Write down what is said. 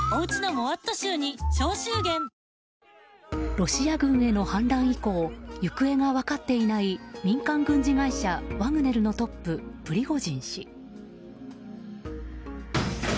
ロシア軍への反乱以降行方が分かっていない民間軍事会社ワグネルのトッププリゴジン氏。